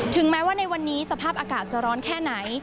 แม้ว่าในวันนี้สภาพอากาศจะร้อนแค่ไหน